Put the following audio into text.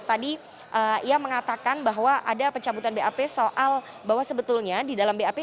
tadi ia mengatakan bahwa ada pencabutan bap soal bahwa sebetulnya di dalam bap